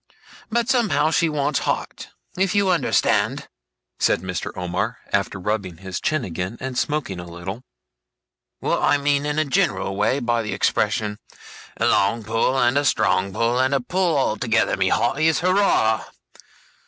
But somehow she wants heart. If you understand,' said Mr. Omer, after rubbing his chin again, and smoking a little, 'what I mean in a general way by the expression, "A long pull, and a strong pull, and a pull altogether, my hearties, hurrah!"